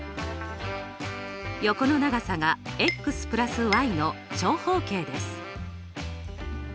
横の長さがの長方形です。